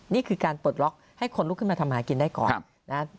นี่คือการปลดล็อกให้คนลุกขึ้นมาทำหากินได้ก่อนนะ